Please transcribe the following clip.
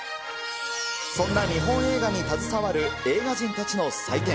そんな日本映画に携わる映画人たちの祭典。